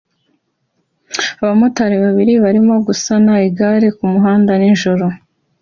Abamotari babiri barimo gusana igare kumuhanda nijoro